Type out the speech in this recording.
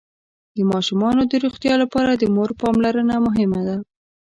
د ماشومانو د روغتيا لپاره د مور پاملرنه مهمه ده.